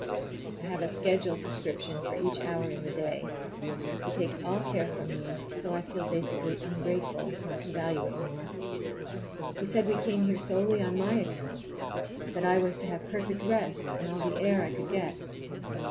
I have a schedule prescription for each hour in the day; he takes all care from me, and so I feel basely ungrateful not to value it more. He said we came here solely on my account, that I was to have perfect rest and all the air I could get.